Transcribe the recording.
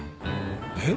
えっ？